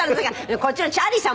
こっちのチャーリーさん